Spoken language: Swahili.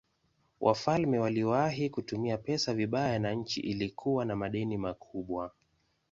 Wafalme waliwahi kutumia pesa vibaya na nchi ilikuwa na madeni makubwa.